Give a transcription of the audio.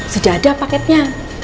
sudah ada paketnya